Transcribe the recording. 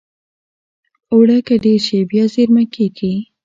اوړه که ډېر شي، بیا زېرمه کېږي